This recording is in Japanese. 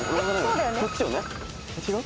⁉違う？